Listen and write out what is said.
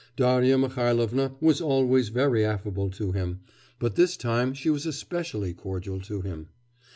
Darya Mihailovna was always very affable to him, but this time she was especially cordial to him.